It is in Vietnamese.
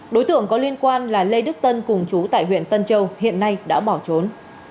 đối tượng có liên quan là lê đức tân cùng chú tại huyện tân châu hiện nay đã bỏ trốn